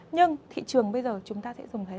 nhưng thị trường bây giờ chúng ta sẽ dùng